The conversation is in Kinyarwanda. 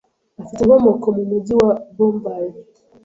afite inkomoko mu mujyi wa Bombay